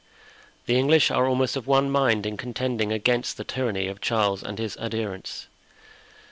The English are almost of one mind in contending against the tyranny of Charles and his adherents.